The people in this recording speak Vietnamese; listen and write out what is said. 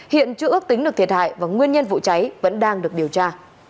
hiện chưa ước tính được thiệt hại và nguyên nhân vụ cháy vẫn đang được điều tra